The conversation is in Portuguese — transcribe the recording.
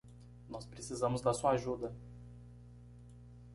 Nós precisamos da sua ajuda!